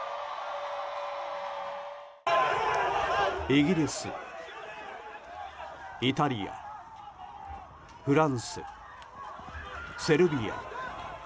イギリス、イタリアフランス、セルビア。